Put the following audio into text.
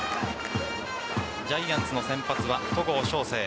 ジャイアンツの先発は戸郷翔征。